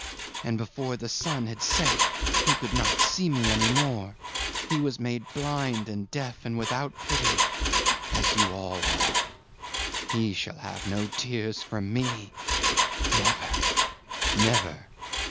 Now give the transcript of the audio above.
... and before the sun had set he could not see me any more he was made blind and deaf and without pity, as you all are. He shall have no tears from me. Never, never.